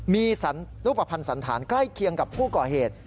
มีรูปภัณฑ์สันธารใกล้เคียงกับผู้ก่อเหตุ